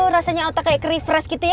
rasanya otak kayak refresh gitu ya